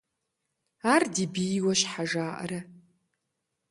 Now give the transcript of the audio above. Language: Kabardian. Ар ди бийуэ щхьэ жаӀэрэ?